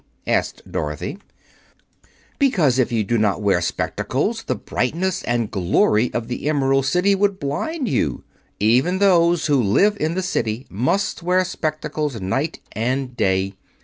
asked Dorothy. "Because if you did not wear spectacles the brightness and glory of the Emerald City would blind you. Even those who live in the City must wear spectacles night and day.